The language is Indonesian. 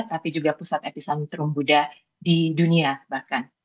tapi juga pusat epicentrum buddha di dunia bahkan